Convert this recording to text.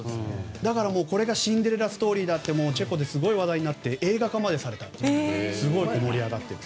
だからこれがシンデレラストーリーだとなってチェコで盛り上がって映画化までされてすごく盛り上がっていると。